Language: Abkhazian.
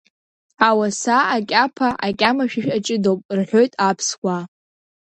Ауаса акьаԥа акьамашәышә аҷыдоуп, — рҳәоит аԥсуаа.